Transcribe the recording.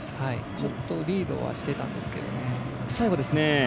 ちょっとリードはしてたんですけどね。